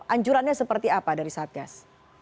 anjurannya seperti apa dari satgas